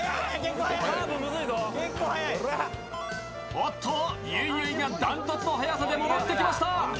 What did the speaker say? おっと、ゆいゆいが断トツの速さで戻ってきました。